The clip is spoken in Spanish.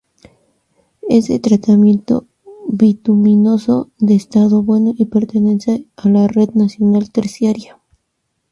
Es de tratamiento bituminoso, de estado bueno y pertenece a la Red Nacional Terciaria